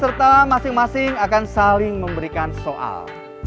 serta masing masing akan saling memberikan soal